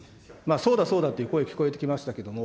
そうだそうだという声、聞こえてきましたけれども、